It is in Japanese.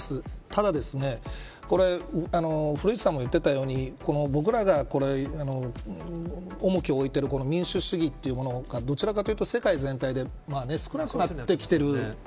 ただ、これ古市さんも言っていたように僕らが重きを置いている民主主義というものがどちらかというと世界全体で劣勢になってきている。